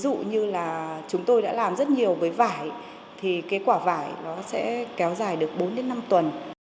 ví dụ như là chúng tôi đã làm rất nhiều với vải thì cái quả vải nó sẽ kéo dài được bốn đến năm tuần